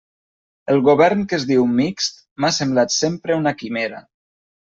El govern que es diu mixt m'ha semblat sempre una quimera.